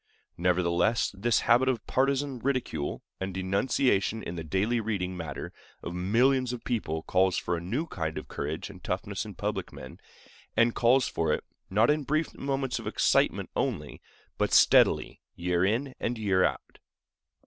Nevertheless, this habit of partizan ridicule and denunciation in the daily reading matter of millions of people calls for a new kind of courage and toughness in public men, and calls for it, not in brief moments of excitement only, but steadily, year in and year out.